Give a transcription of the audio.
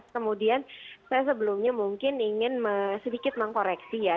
kemudian saya sebelumnya mungkin ingin sedikit mengkoreksi ya